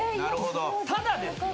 ただですよ。